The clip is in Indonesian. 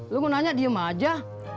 lu mau nanya diem aja